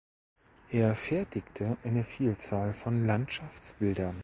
Er fertigte eine Vielzahl von Landschaftsbildern.